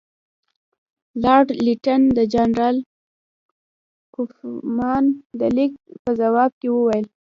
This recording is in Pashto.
لارډ لیټن د جنرال کوفمان د لیک په ځواب کې وویل.